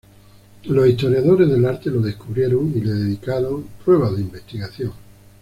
Los historiadores del arte lo descubrieron y le dedicaron pruebas de investigación.